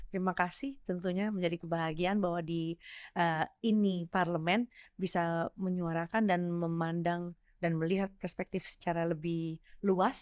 terima kasih tentunya menjadi kebahagiaan bahwa di ini parlemen bisa menyuarakan dan memandang dan melihat perspektif secara lebih luas